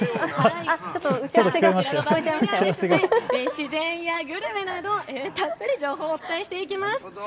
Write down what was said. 自然やグルメなどたっぷり情報をお伝えしていきます。